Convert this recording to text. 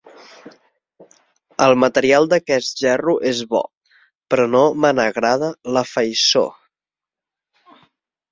El material d'aquest gerro és bo, però no me n'agrada la faiçó.